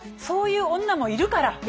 そういう女もいるから！